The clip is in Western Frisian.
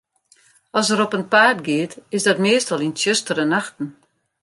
As er op 'en paad giet, is dat meastal yn tsjustere nachten.